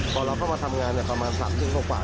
พอเราเข้ามาทำงานประมาณ๓ทุ่มกว่า